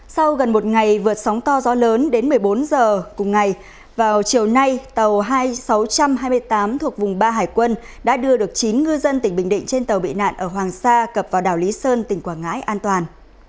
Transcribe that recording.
sau gần một ngày vượt sóng to gió lớn đến một mươi bốn h cùng ngày vào chiều nay tàu sáu trăm hai mươi tám thuộc vùng ba hải quân đã đưa được chín ngư dân tỉnh bình định trên tàu bị nạn ở hoàng sa cập vào đảo lý sơn tỉnh quảng ngãi an toàn